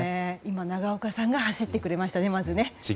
長岡さんが走ってくれましたね。